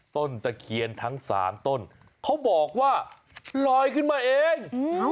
ตะเคียนทั้ง๓ต้นเขาบอกว่าลอยขึ้นมาเอง